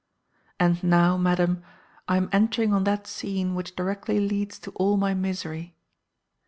"And, now, madam, I am entering on that scene which directly leads to all my misery."